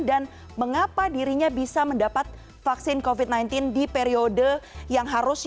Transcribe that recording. mengapa dirinya bisa mendapat vaksin covid sembilan belas di periode yang harusnya